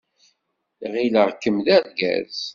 Ɣileɣ-kem d argaz.